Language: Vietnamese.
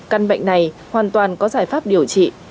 căn bệnh này hoàn toàn có giải pháp điều trị